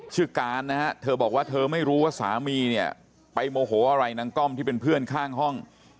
ชื่อการนะฮะเธอบอกว่าเธอไม่รู้ว่าสามีเนี่ยไปโมโหอะไรนางก้อมที่เป็นเพื่อนข้างห้อง